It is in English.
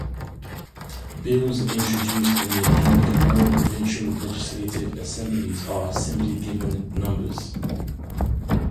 Bills introduced in the unicameral provincial legislative assemblies are simply given numbers.